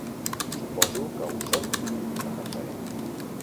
"Suposo que ho són" va pensar ell.